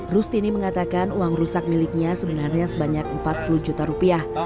rustini mengatakan uang rusak miliknya sebenarnya sebanyak empat puluh juta rupiah